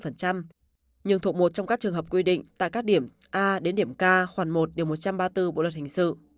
nhưng thuộc một trong các trường hợp quy định tại các điểm a đến điểm k khoảng một điều một trăm ba mươi bốn bộ luật hình sự